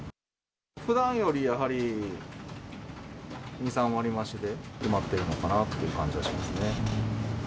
ふだんよりやはり、２、３割増しで埋まっているのかなという感じはしますね。